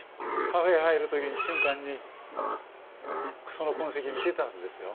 カフェへ入る時に瞬間にその痕跡見てたはずですよ。